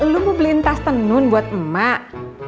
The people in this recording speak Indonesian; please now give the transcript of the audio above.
lo mau beliin tas tenun buat emak